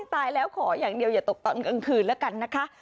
ตายแล้วขออย่างเดียวอย่าตกตอนกลางคืนแล้วกันนะคะ